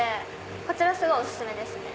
こちらすごいお薦めですね。